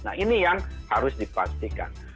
nah ini yang harus dipastikan